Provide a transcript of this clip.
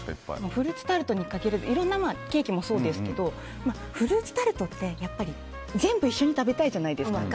フルーツタルトに限らずケーキもそうですけどフルーツタルトって全部一緒に食べたいじゃないですか。